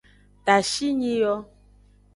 Tashinyi yo.